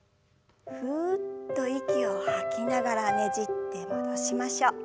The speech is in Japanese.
ふっと息を吐きながらねじって戻しましょう。